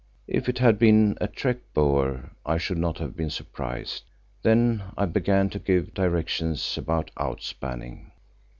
If it had been a trek Boer I should not have been surprised." Then I began to give directions about out spanning.